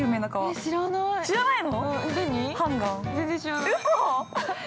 ◆知らないの？